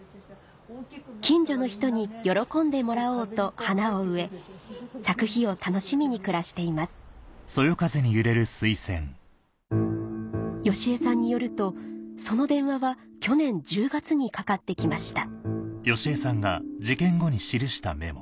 近所の人に喜んでもらおうと花を植え咲く日を楽しみに暮らしていますヨシエさんによるとその電話は去年１０月にかかってきました